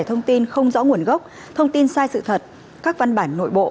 thông tin không rõ nguồn gốc thông tin sai sự thật các văn bản nội bộ